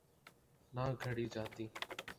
نہ گھڑی جاتیں۔